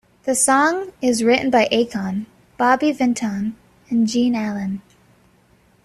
The song is written by Akon, Bobby Vinton, and Gene Allan.